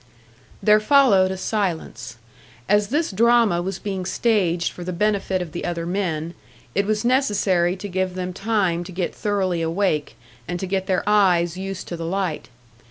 There followed a silence. As this drama was being staged for the benefit of the other men, it was necessary to give them time to get thoroughly awake, and to get their eyes used to the light.